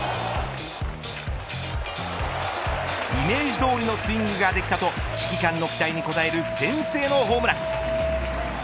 イメージどおりのスイングができたと指揮官の期待に応える先制のホームラン。